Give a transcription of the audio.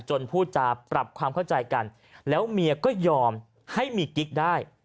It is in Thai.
พูดจาปรับความเข้าใจกันแล้วเมียก็ยอมให้มีกิ๊กได้